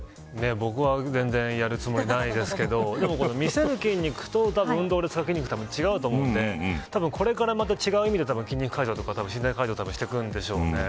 僕は全然やるつもりはないですけど見せる筋肉と運動で使う筋肉って違うと思うんでこれからまた違う意味で筋肉改造とか身体改造していくんでしょうね。